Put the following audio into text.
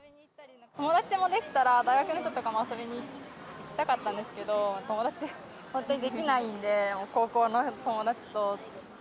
友達も出来たら大学の人とかも遊びに行きたかったんですけど、友達が出来ないんで、高校の友達と。